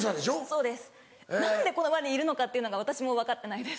そうです何でこの場にいるのかというのが私も分かってないです。